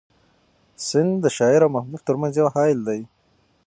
سیند د شاعر او محبوب تر منځ یو حایل دی.